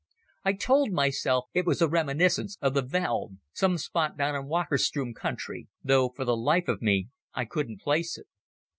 I told myself it was a reminiscence of the veld, some spot down in the Wakkerstroom country, though for the life of me I couldn't place it.